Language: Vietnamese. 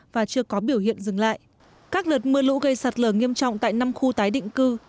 và chưa có biểu hiện dừng lại các đợt mưa lũ gây sạt lở nghiêm trọng tại năm khu tái định cư